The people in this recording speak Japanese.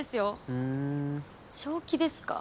ふーん正気ですか？